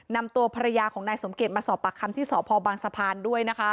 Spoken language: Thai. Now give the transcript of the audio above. นำตัวภรรยาของนายสมเกียจมาสอบปากคำที่สพบางสะพานด้วยนะคะ